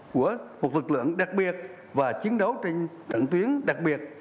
của một lực lượng đặc biệt và chiến đấu trên trận tuyến đặc biệt